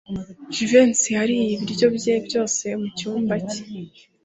Jivency yariye ibiryo bye byose mucyumba cye.